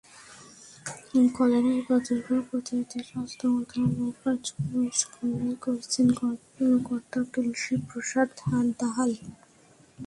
কলেরার প্রাদুর্ভাব প্রতিরোধে স্বাস্থ্য মন্ত্রণালয়ের কার্যক্রমের সমন্বয় করছেন কর্মকর্তা তুলসী প্রসাদ দাহাল।